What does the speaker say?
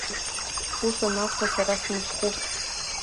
Ус анакәха, сара смыцхәуп.